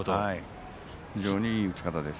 非常にいい打ち方です。